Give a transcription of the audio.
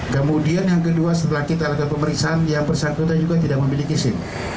kemudian yang kedua setelah kita lakukan pemeriksaan yang bersangkutan juga tidak memiliki sim